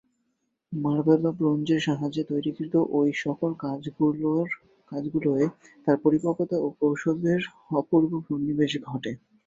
Marble ও ব্রোঞ্জের সাহায্যে তৈরীকৃত ঐ সকল কাজগুলোয় তার পরিপক্কতা ও কৌশলের অপূর্ব সন্নিবেশ ঘটে।